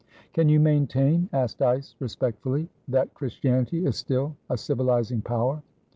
"Can you maintain," asked Dyce, respectfully, "that Christianity is still a civilising power?"